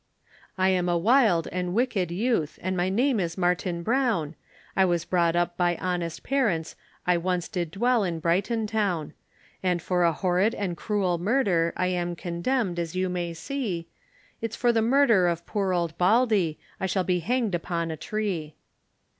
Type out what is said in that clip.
I am a wild and wicked youth, And my name is Martin Brown, I was brought up by honest parents, I once did dwell in Brighton town; And for a horrid and cruel murder, I am condemned, as you may see, It's for the murder of poor old Baldey, I shall be hanged upon a tree.